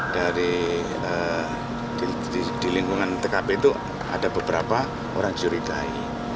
di lingkungan tkp itu ada beberapa orang curi kai